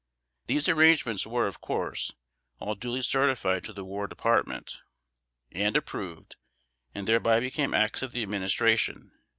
These arrangements were, of course, all duly certified to the War Department, and approved, and thereby became acts of the Administration.